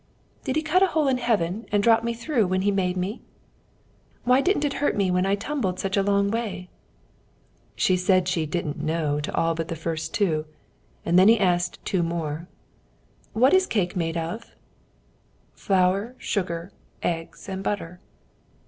"'Did He cut a hole in heaven and drop me through when He made me?' "'Why didn't it hurt me when I tumbled such a long way?' "She said she 'didn't know' to all but the two first, and then he asked two more. "'What is the cake made of?' "'Flour, sugar, eggs and butter.'